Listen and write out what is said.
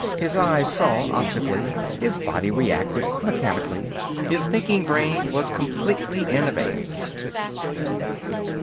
His eyes saw, optically; his body reacted, mechanically; his thinking brain was completely in abeyance.